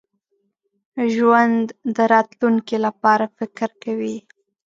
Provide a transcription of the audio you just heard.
ژوندي د راتلونکي لپاره فکر کوي